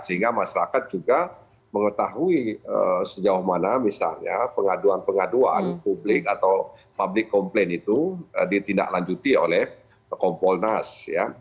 sehingga masyarakat juga mengetahui sejauh mana misalnya pengaduan pengaduan publik atau public komplain itu ditindaklanjuti oleh kompolnas